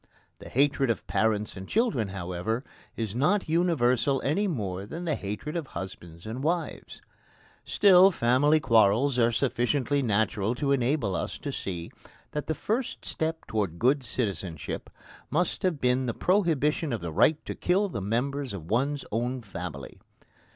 The hatred of parents and children, however, is not universal any more than the hatred of husbands and wives. Still, family quarrels are sufficiently natural to enable us to see that the first step towards good citizenship must have been the prohibition of the right to kill the members of one's own family.